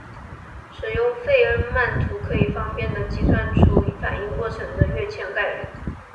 使用费恩曼图可以方便地计算出一个反应过程的跃迁概率。